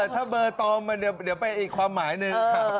แต่ถ้าเบอร์ตอมเดี๋ยวไปอีกความหมายหนึ่ง